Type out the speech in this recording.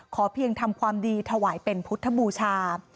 เพียงทำความดีถวายเป็นพุทธบูชา